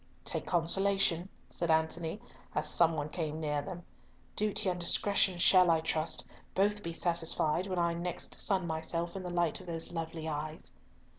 "Take consolation," said Antony, and as some one came near them, "Duty and discretion shall, I trust, both be satisfied when I next sun myself in the light of those lovely eyes."